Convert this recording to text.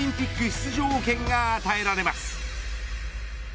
出場権が与えられます。